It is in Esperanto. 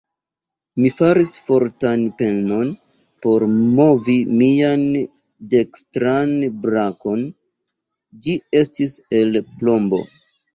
Mi faris fortan penon por movi mian dekstran brakon: ĝi estis el plombo.